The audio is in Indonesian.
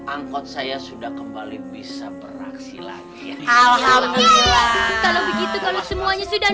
angkot saya sudah kembali bisa beraksi lagi kalau begitu kalau semuanya sudah